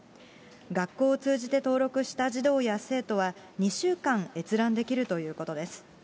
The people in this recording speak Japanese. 学校を通じて登録した児童や生徒は、２週間、閲覧できるということです。